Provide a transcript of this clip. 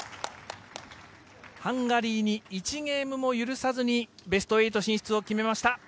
ハンガリーに１ゲームも許さずにベスト８進出を決めました。